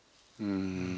うん。